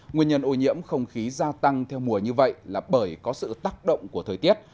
nguyên nhân ô nhiễm không khí gia tăng theo mùa như vậy là bởi có sự tác động của thời tiết